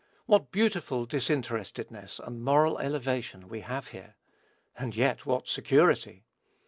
What beautiful disinterestedness and moral elevation we have here! and yet what security!